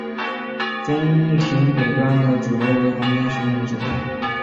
中庭北端的主楼为皇家学院所在。